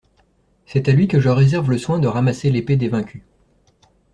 C'est à lui que je réserve le soin de ramasser l'épée des vaincus.